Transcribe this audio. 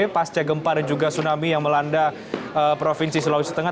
pasca gempa dan juga tsunami yang melanda provinsi sulawesi tengah